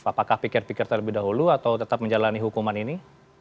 apakah pikir pikir terlebih dahulu atau tetap menjalani hukuman ini